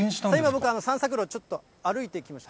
僕、散策路、ちょっと歩いてきました。